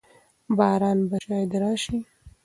باران به شاید راشي.